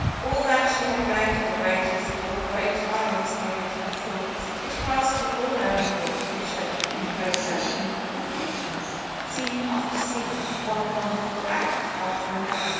All that she had read of the Greatest of all great lives came into her thoughts. It passed before her in ward vision in a procession of pictures, scene after scene, one wonderful act after another.